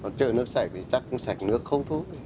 còn chờ nước sạch thì chắc cũng sạch nước không thu